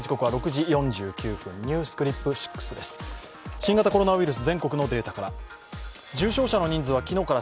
新型コロナウイルス、全国のデータから。